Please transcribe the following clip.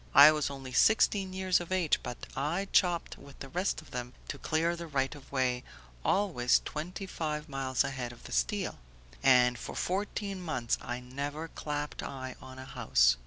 I was only sixteen years of age but I chopped with the rest of them to clear the right of way, always twenty five miles ahead of the steel, and for fourteen months I never clapped eye on a house.